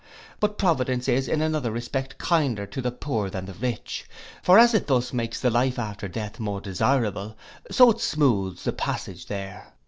But providence is in another respect kinder to the poor than the rich; for as it thus makes the life after death more desirable, so it smooths the passage there.